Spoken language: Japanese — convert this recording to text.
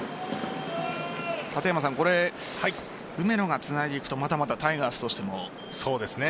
梅野がつないでいくとまたタイガースとしても。